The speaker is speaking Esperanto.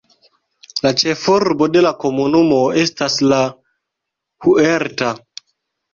La ĉefurbo de la komunumo estas La Huerta.